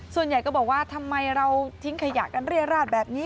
ส่วนใหญ่ก็บอกว่าทำไมเราทิ้งขยะกันเรียราชแบบนี้